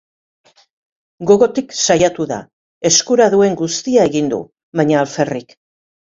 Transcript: Gogotik saiatu da, eskura duen guztia egin du, baina alferrik.